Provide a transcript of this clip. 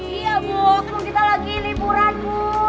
iya bu sekarang kita lagi liburan bu